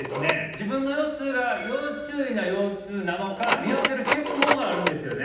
自分の腰痛が要注意な腰痛なのか見分けるチェック法があるんですよね